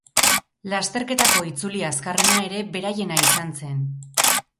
Lasterketako itzuli azkarrena ere beraiena izan zen.